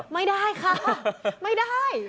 ไม่ได้ค่ะไม่ได้